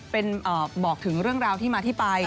เป็นบอกถึงเรื่องราวที่มาที่ไป